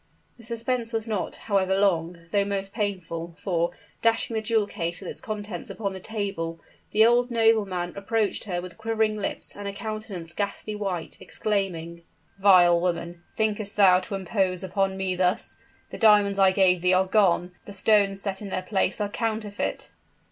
The suspense was not, however, long though most painful; for, dashing the jewel case with its contents upon the table, the old nobleman approached her with quivering lips and a countenance ghastly white, exclaiming, "Vile woman! thinkest thou to impose upon me thus? The diamonds I gave thee are gone the stones set in their place are counterfeit!"